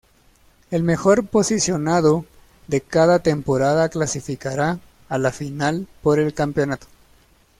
El mejor posicionado de cada temporada clasificará a la final por el campeonato.